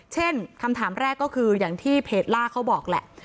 คำถามแรกก็คืออย่างที่เพจล่าเขาบอกแหละ